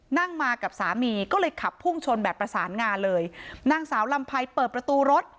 นั่งมากับสามีก็เลยขับพุ่งชนแบบประสานงานเลยนางสาวลำไพรเปิดประตูรถ